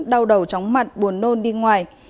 đau đầu tróng mặt buồn nôn đi ngoài